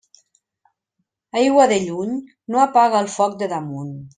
Aigua de lluny no apaga el foc de damunt.